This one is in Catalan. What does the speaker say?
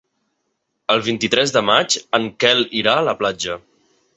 El vint-i-tres de maig en Quel irà a la platja.